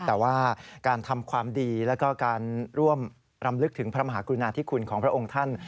แต่ว่าการทำความดีแล้วก็การร่วมรำลึกถึงพระมหากรุณาธิคุณของพระองค์ท่าน